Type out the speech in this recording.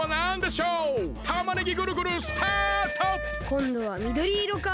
こんどはみどりいろか。